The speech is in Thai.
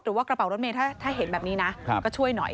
รถหรือว่ากระเป๋ารถเมฆถ้าเห็นแบบนี้นะก็ช่วยหน่อย